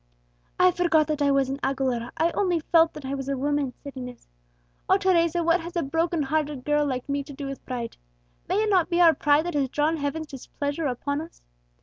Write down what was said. "I forgot that I was an Aguilera I only felt that I was a woman," said Inez. "O Teresa, what has a broken hearted girl like me to do with pride? May it not be our pride that has drawn Heaven's displeasure upon us?